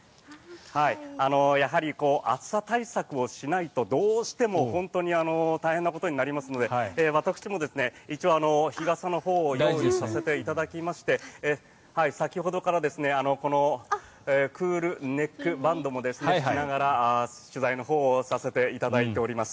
やはり暑さ対策をしないとどうしても、本当に大変なことになりますので私も一応、日傘のほうを用意させていただきまして先ほどからクールネックバンドもしながら取材のほうをさせていただいております。